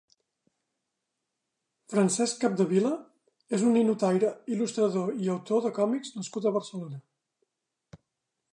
Francesc Capdevila és un ninotaire, il·lustrador i autor de còmics nascut a Barcelona.